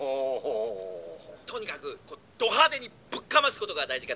「とにかくど派手にぶっかますことが大事かと。